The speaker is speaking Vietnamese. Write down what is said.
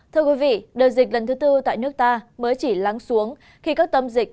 thưa quý vị đợt dịch lần thứ tư tại nước ta mới chỉ lắng xuống khi các tâm dịch